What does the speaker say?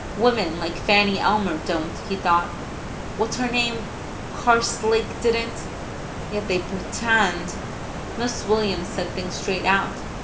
"Women like Fanny Elmer don't," he thought. "What's her name Carslake didn't; yet they pretend..." Mrs. Williams said things straight out.